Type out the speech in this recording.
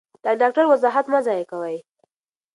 د ډاکټر وخت مه ضایع کوئ.